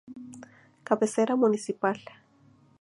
Cabecera municipal.